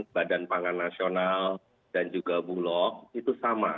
badan pangan nasional dan juga bulog itu sama